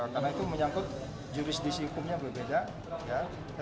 karena itu menyangkut jurisdisi hukumnya berbeda